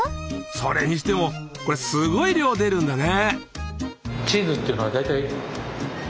それにしてもこれすごい量出るんだね。